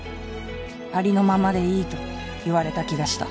ありのままでいいと言われた気がした